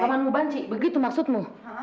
pamanmu banci begitu maksudmu